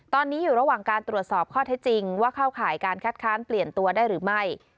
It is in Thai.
ตอนนี้อยู่ระหว่างการตรวจสอบข้อเท็จจริงว่าเข้าข่ายการคัดค้านเปลี่ยนตัวได้หรือไม่